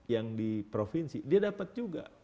yang di provinsi dia dapat juga